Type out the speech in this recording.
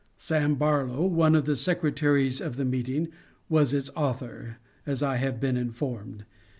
Sam Barlow, one of the secretaries of the meeting, was its author, as I have been informed.